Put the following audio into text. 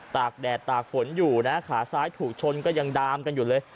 กแดดตากฝนอยู่นะขาซ้ายถูกชนก็ยังดามกันอยู่เลย